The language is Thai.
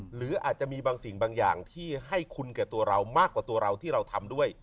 หรืออาจจะมีบางสิ่งบางอย่างที่ให้คุณแก่ตัวเรามากกว่าตัวเราที่เราทำด้วย